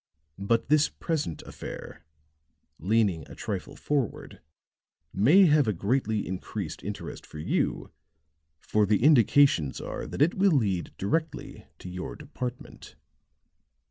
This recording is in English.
But this present affair," leaning a trifle forward, "may have a greatly increased interest for you, for the indications are that it will lead directly to your department."